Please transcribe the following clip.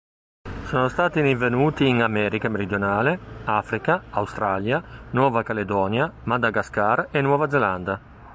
Sono stati rinvenuti in America meridionale, Africa, Australia, Nuova Caledonia, Madagascar e Nuova Zelanda.